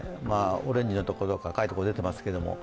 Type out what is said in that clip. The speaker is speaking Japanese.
オレンジのところとか赤いところが出ていますけれども。